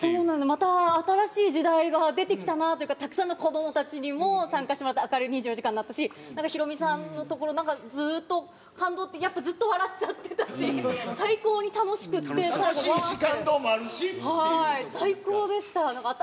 また、新しい時代が出てきたなぁというか、たくさんの子どもたちにも参加してもらって、明るい２４時間になったし、ヒロミさんのところ、なんか、ずーっと感動って、やっぱずっと笑っちゃってたし、最高に楽しくって、最後、わー！って。